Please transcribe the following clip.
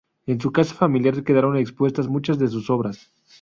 En su casa familiar quedaron expuestas muchas de sus obras.